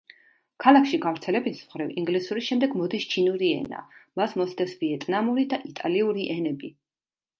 ქალაქში გავრცელების მხრივ ინგლისურის შემდეგ მოდის ჩინური ენა, მას მოსდევს ვიეტნამური და იტალიური ენები.